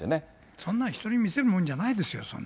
そんなん人に見せるもんじゃないですよ、そんな。